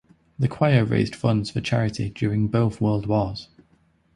The choir raised funds for charity during both World Wars.